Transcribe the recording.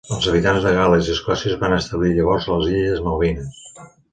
Els habitants de Gal·les i Escòcia es van establir llavors a les illes Malvines.